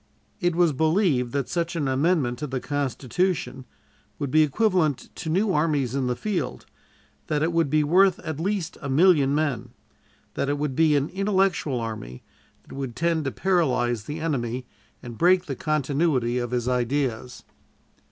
It was believed that such an amendment to the Constitution would be equivalent to new armies in the field, that it would be worth at least a million men, that it would be an intellectual army that would tend to paralyze the enemy and break the continuity of his ideas.